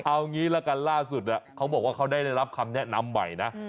เอางี้ละกันล่าสุดเขาบอกว่าเขาได้รับคำแนะนำใหม่นะ